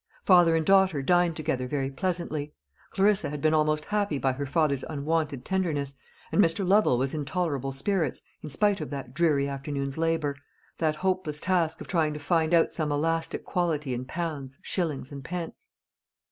Father and daughter dined together very pleasantly. Clarissa had been almost happy by her father's unwonted tenderness, and Mr. Lovel was in tolerable spirits, in spite of that dreary afternoon's labour, that hopeless task of trying to find out some elastic quality in pounds, shillings, and pence.